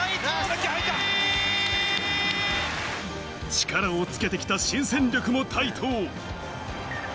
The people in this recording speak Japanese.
力をつけてきた新戦力も台頭。